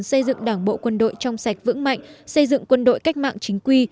xây dựng đảng bộ quân đội trong sạch vững mạnh xây dựng quân đội cách mạng chính quy